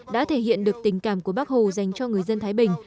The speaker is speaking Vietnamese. đã thể hiện được tình cảm của bác hồ dành cho người dân thái bình